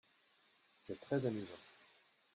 C’est très amusant.